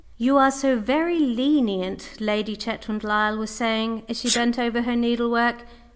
"You are so very lenient," Lady Chetwynd Lyle was saying, as she bent over her needlework.